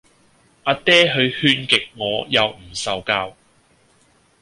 啊爹佢勸極我又唔受教